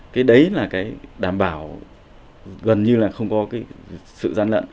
cái đấy là cái đảm bảo gần như là không có cái sự gian lận